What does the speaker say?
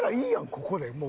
ここでもう。